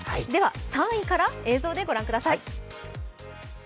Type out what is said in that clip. ３位から映像でご覧ください。